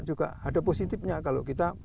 juga ada positifnya kalau kita